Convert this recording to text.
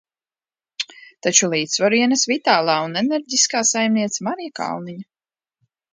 Taču līdzsvaru ienes vitālā un enerģiskā saimniece Marija Kalniņa.